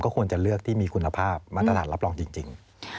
ควรจะเลือกที่มีคุณภาพมาตรฐานรับรองจริง